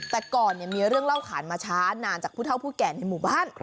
แต่ก่อนมีเรื่องเล่าขานมาช้านานจากผู้เท่าผู้แก่ในหมู่บ้าน